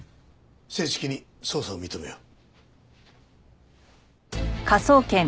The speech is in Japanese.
正式に捜査を認めよう。